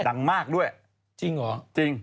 ดังมากด้วยจริงเหรอ